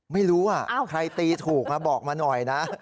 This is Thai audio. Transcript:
ไม่รู้ใครตีถูกมาบอกมาหน่อยนะ